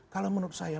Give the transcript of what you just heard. kalau menurut saya